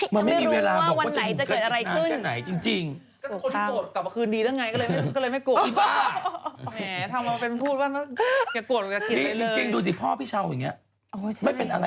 มันไม่มีเวลาบอกว่าจะถึงเกิดที่น้ำแหละ